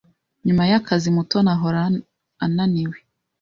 Nyuma yakazi, Mutoni ahora ananiwe.